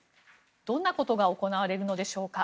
どんなことが行われるのでしょうか。